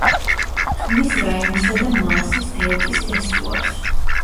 ქმნის რაინისა და მაასის დელტის ესტუარს.